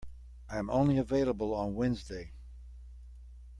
I am only available on Wednesday.